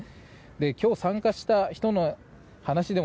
今日参加した人の話でも